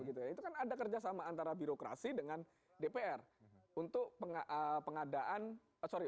itu kan ada kerjasama antara birokrasi dengan dpr